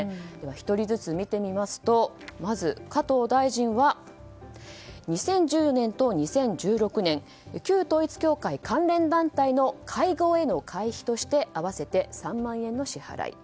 １人ずつ見ていきますとまず加藤大臣は２０１４年と２０１６年旧統一教会関連団体の会合への会費として合わせて３万円の支払い。